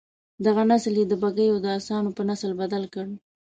دغه نسل یې د بګیو د اسانو په نسل بدل کړ.